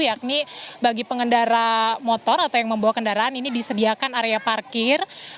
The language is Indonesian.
yakni bagi pengendara motor atau yang membawa kendaraan ini disediakan area parkir